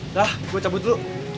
dah gue cabut dulu